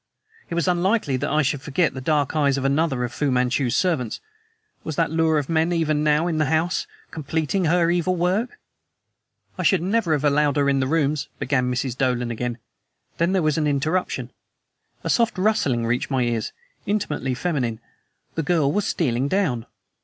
It was unlikely that I should forget the dark eyes of another of Fu Manchu's servants. Was that lure of men even now in the house, completing her evil work? "I should never have allowed her in his rooms " began Mrs. Dolan again. Then there was an interruption. A soft rustling reached my ears intimately feminine. The girl was stealing down!